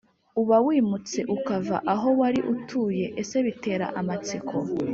uba wimutse ukava aho wari utuye Ese bitera amatsiko